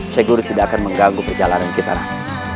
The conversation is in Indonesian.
syekh guru tidak akan mengganggu perjalanan kita raden